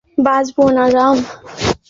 তোমার কিছু হলে আমি বাঁচব না, রাম।